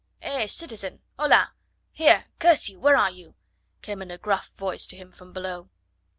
"He, citizen! Hola! Here! Curse you! Where are you?" came in a gruff voice to him from below.